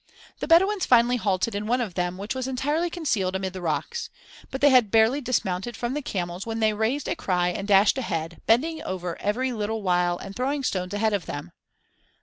The Bedouins finally halted in one of them which was entirely concealed amid the rocks. But they had barely dismounted from the camels when they raised a cry and dashed ahead, bending over every little while and throwing stones ahead of them.